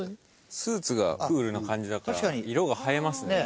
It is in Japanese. スーツがクールな感じだから色が映えますね。